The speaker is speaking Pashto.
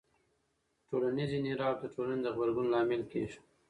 ټولنیز انحراف د ټولنې د غبرګون لامل کېږي.